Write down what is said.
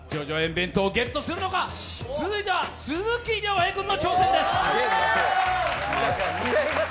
弁当をゲットするのか、続いては鈴木亮平君の挑戦です。